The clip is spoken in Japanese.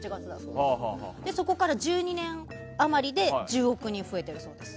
そこから１２年余りで１０億人増えているそうです。